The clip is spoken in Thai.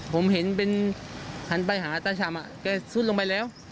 ผมเห็นเป็นหันไปหาตาชำแกซุดลงไปแล้ว